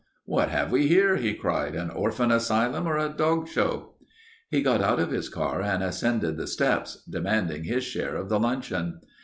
"What have we here?" he cried. "An orphan asylum or a dog show?" He got out of his car and ascended the steps, demanding his share of the luncheon.